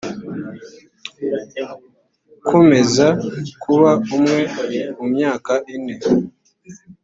ukomeza kuba umwe mu myaka ine